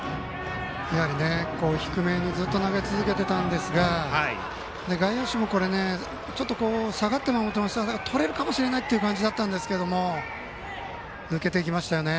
低めにずっと投げ続けていたんですが外野手も下がって守っていましたからとれるかもしれないという感じだったんですけども抜けていきましたよね。